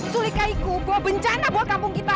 sulika itu bawa bencana buat kampung kita